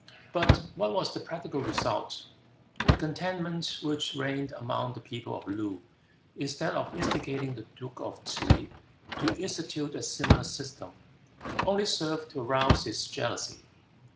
But what was the practical result? The contentment which reigned among the people of Loo, instead of instigating the duke of T'se to institute a similar system, only served to rouse his jealousy.